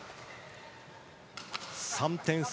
３点差